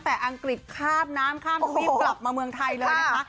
แต่อังกฤษคาบน้ำข้ามทวีปกลับมาเมืองไทยเลยนะคะ